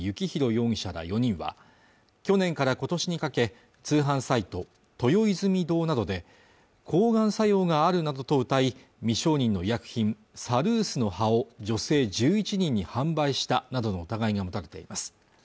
容疑者ら４人は去年から今年にかけ通販サイト豊泉堂などで抗がん作用があるなどとうたい未承認の医薬品サルースの葉を女性１１人に販売したなどの疑いが持たれています